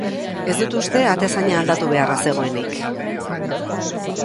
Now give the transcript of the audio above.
Ez dut uste atezaina aldatu beharra zegoenik.